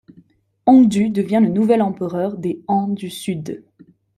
Hongdu devient le nouvel empereur des Han du Sud.